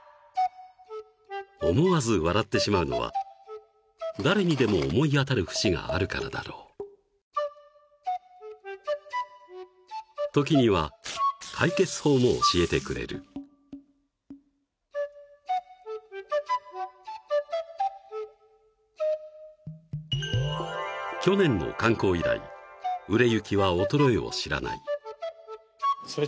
思わず笑ってしまうのは誰にでも思い当たる節があるからだろう時には解決法も教えてくれる去年の刊行以来売れ行きは衰えを知らないそりゃ